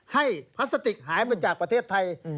พลาสติกหายมาจากประเทศไทย